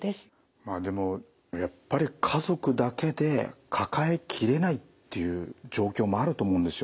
でもやっぱり家族だけで抱え切れないっていう状況もあると思うんですよね。